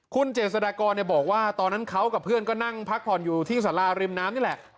คุณเจษฎากรบอกว่าตอนนั้นเขากับเพื่อนก็นั่งพักผ่อนอยู่ที่สาราริมน้ำนี่แหละ